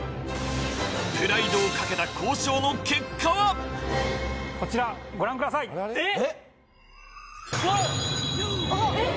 プライドをかけた交渉の結果はこちらご覧くださいえっうわ